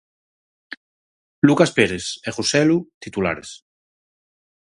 Lucas Pérez e Joselu, titulares.